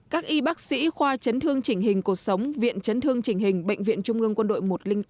các y bác sĩ khoa chấn thương trình hình cột sống viện chấn thương trình hình bệnh viện trung ương quân đội một trăm linh tám